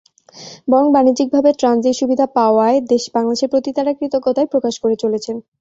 বরং বাণিজ্যিকভাবে ট্রানজিট সুবিধা পাওয়ায় বাংলাদেশের প্রতি তাঁরা কৃতজ্ঞতাই প্রকাশ করে চলেছেন।